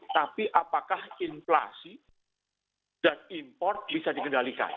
tapi apakah inflasi dan import bisa dikendalikan